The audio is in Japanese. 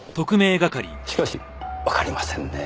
しかしわかりませんねぇ。